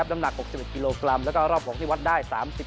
น้ำหนัก๖๑กิโลกรัมแล้วก็รอบ๖ที่วัดได้๓๐